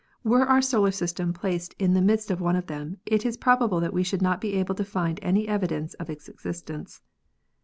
Were our solar system placed in the midst of one of them, it is prob able that we should not be able to find any evidence of its existence.